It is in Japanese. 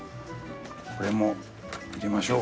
これも入れましょう！